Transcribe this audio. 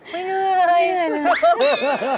ไม่เหนื่อย